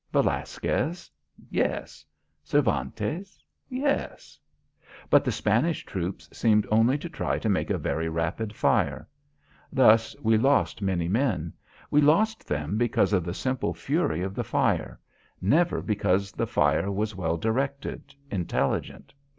Velasquez? Yes. Cervantes? Yes. But the Spanish troops seemed only to try to make a very rapid fire. Thus we lost many men. We lost them because of the simple fury of the fire; never because the fire was well directed, intelligent.